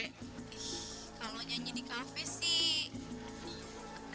kalau nyanyi di kafe sih